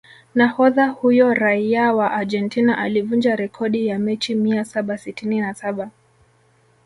Nahodha huyo raia wa Argentina alivunja rekodi ya mechi mia saba sitini na saba